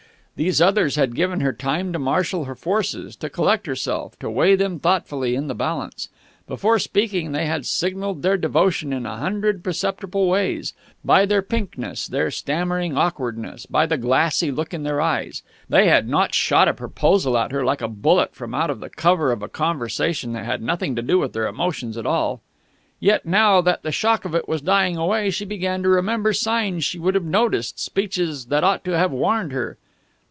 These others had given her time to marshal her forces, to collect herself, to weigh them thoughtfully in the balance. Before speaking, they had signalled their devotion in a hundred perceptible ways by their pinkness, their stammering awkwardness, by the glassy look in their eyes. They had not shot a proposal at her like a bullet from out of the cover of a conversation that had nothing to do with their emotions at all. Yet, now that the shock of it was dying away, she began to remember signs she would have noticed, speeches which ought to have warned her....